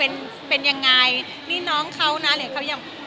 เพราะว่ายังไงเป็นความมีปัญหาต่อมาแล้วเหมือนกันนะคะ